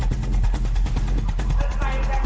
คุณดูแล้วนะครับคุณดูแล้วนะครับ